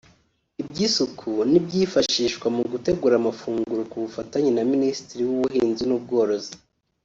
iby’isuku n’ibyifashishwa mu gutegura amafunguro ku bufatanye na Minisiteri y’Ubuhinzi n’Ubworozi